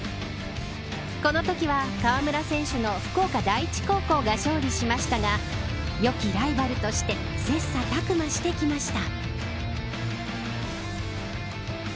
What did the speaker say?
このときは河村選手の福岡第一高校が勝利しましたが良きライバルとして切磋琢磨してきました。